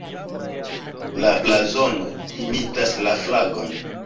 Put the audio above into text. La blazono imitas la flagon.